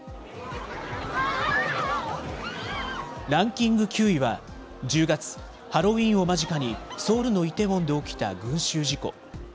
ランキング９位は、１０月、ハロウィーンを間近にソウルのイテウォンで起きた群集事故。